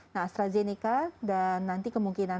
nah astrazeneca dan nanti kemungkinan